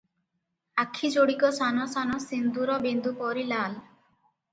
ଆଖି ଯୋଡ଼ିକ ସାନ ସାନ ସିନ୍ଦୂର ବିନ୍ଦୁ ପରି ଲାଲ ।